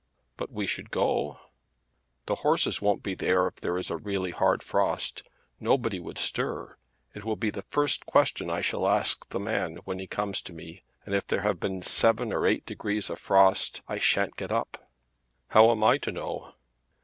"But we should go?" "The horses won't be there if there is a really hard frost. Nobody would stir. It will be the first question I shall ask the man when he comes to me, and if there have been seven or eight degrees of frost I shan't get up." "How am I to know?"